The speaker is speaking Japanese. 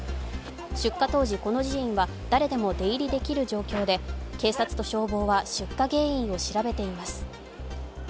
出火当時、この寺院は誰でも出入りできる状況で警察と消防は出火原因を調べています。